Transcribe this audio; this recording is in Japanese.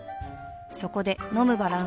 そこで飲むバランス栄養食